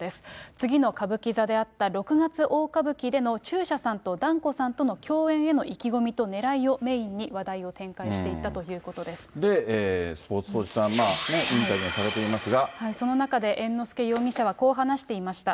次の歌舞伎座であった六月大歌舞伎での中車さんと團子さんとの共演への意気込みとねらいをメインに話題を展開していたということスポーツ報知さん、インタビその中で猿之助容疑者はこう話していました。